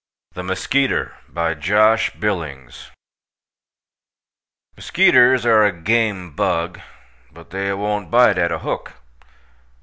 THE MUSKEETER BY JOSH BILLINGS Muskeeters are a game bug, but they won't bite at a hook.